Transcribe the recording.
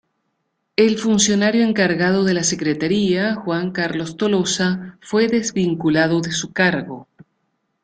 El funcionario encargado de la Secretaría Juan Carlos Tolosa fue desvinculado de su cargo.